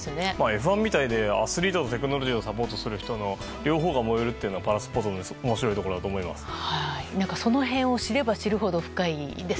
Ｆ１みたいでアスリートとテクノロジーをサポートする人の両方が燃えるのが面白いところだと思います。